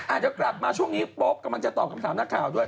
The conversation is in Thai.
เดี๋ยวกลับมาช่วงนี้โป๊ปกำลังจะตอบคำถามนักข่าวด้วย